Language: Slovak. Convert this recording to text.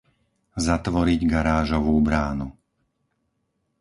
Zatvoriť garážovú bránu.